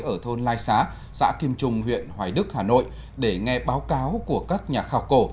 ở thôn lai xá xã kim trung huyện hoài đức hà nội để nghe báo cáo của các nhà khảo cổ